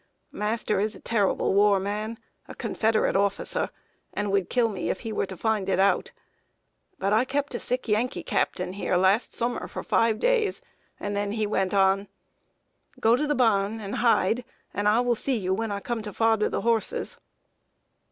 Master is a terrible war man, a Confederate officer, and would kill me if he were to find it out. But I kept a sick Yankee captain here last summer for five days, and then he went on. Go to the barn and hide, and I will see you when I come to fodder the horses."